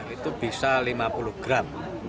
itu bisa lima puluh gram